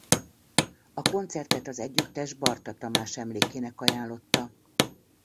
A koncertet az együttes Barta Tamás emlékének ajánlotta.